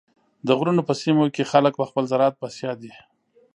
د غرونو په سیمو کې خلک په خپل زراعت بسیا دي.